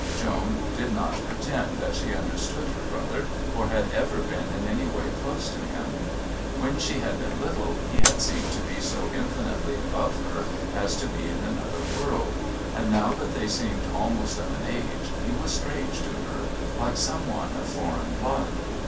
Joan did not pretend that she understood her brother or had ever been in any way close to him. When she had been little he had seemed to be so infinitely above her as to be in another world, and now that they seemed almost of an age he was strange to her like some one of foreign blood.